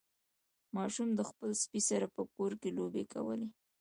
ماشوم د خپل سپي سره په کور کې لوبې کولې.